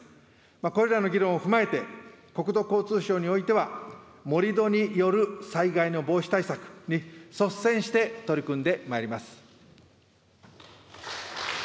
これらの議論を踏まえて、国土交通省においては、盛土による災害の防止対策に、率先して取り組んでまいります。